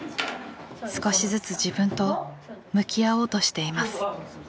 少しずつ自分と向き合おうとしています。